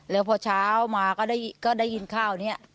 แล้วพอเช้ามาก็ได้ยินข้าวนี้